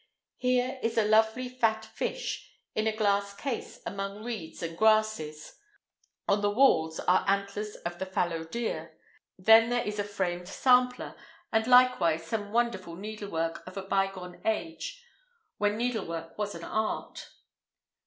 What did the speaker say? Here is a lovely fat fish in a glass case among reeds and grasses. On the walls are antlers of the fallow deer. Then there is a framed sampler, and likewise some wonderful needlework of a bygone age when needlework was an art.